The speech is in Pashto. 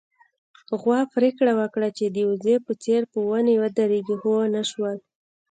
غوا پرېکړه وکړه چې د وزې په څېر په ونې ودرېږي، خو ونه شول